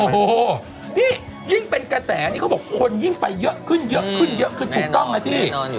โอ้โหนี่ยิ่งเป็นกระแสนี้เขาบอกคนยิ่งไปเยอะขึ้นคือถูกต้องนะพี่